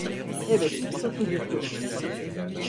Evet, çok üzücü.